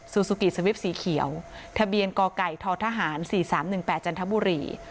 ซูกิสวิปสีเขียวทะเบียนกไก่ททหาร๔๓๑๘จันทบุรี